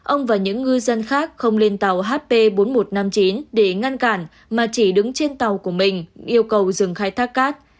ông và những ngư dân khác không lên tàu hp bốn nghìn một trăm năm mươi chín để ngăn cản mà chỉ đứng trên tàu của mình yêu cầu dừng khai thác cát